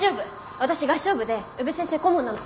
私合唱部で宇部先生顧問なの。